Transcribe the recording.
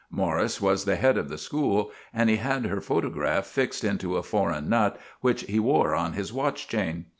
Morris was the head of the school, and he had her photograph fixed into a foreign nut which he wore on his watch chain.